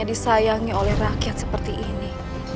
disayangi oleh rakyat seperti ini